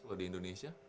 kalau di indonesia